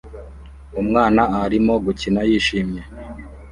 Umwana arimo gukina yishimye